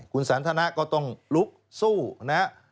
คุณสันทนะก็ต้องลุกสู้นะฮะ